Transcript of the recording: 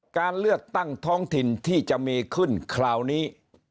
การเลือกตั้งท้องถิ่นที่จะมีขึ้นคราวนี้